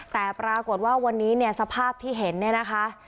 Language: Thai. แต่ปรากฏว่าวันนี้เนี่ยสภาพที่เห็นเนี่ยนะคะ